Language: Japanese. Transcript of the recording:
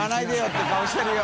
て顔してるよ。